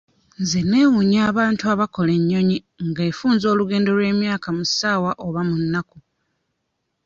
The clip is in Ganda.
Nze neewuunya abantu abaakola nnyonyi nga efunza olugendo olw'emyaka mu ssaawa oba mu nnaku.